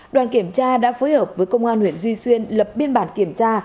đoàn kiểm tra đã phối hợp với công an huyện duy xuyên lập biên bản kiểm tra